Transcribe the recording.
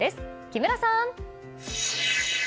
木村さん。